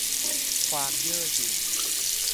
ความเย่อหยิ่ง